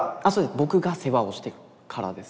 僕が世話をしてるからです。